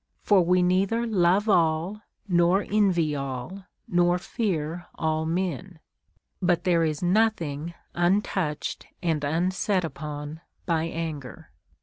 For we neither love all, nor envy all, nor fear all men ; but there is nothing untouched and unset upon by anger.